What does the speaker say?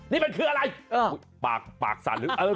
นี่มันคืออะไร